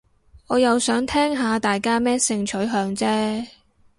我又想聽下大家咩性取向啫